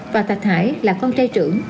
và thạch hải là con trai trưởng